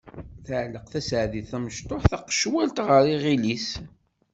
Tɛelleq Tasaɛdit tamecṭuḥt taqecwalt ɣer yiɣil-is.